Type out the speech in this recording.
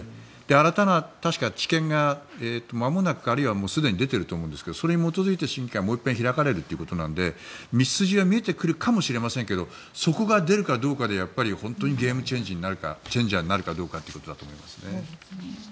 新たな、確か治験がまもなくあるいはもうすでに出ていると思うんですがそれに基づいて審議がもう一遍開かれるということなので道筋が見えてくるかもしれませんがそこが出るかどうかで本当にゲームチェンジャーになるかということですね。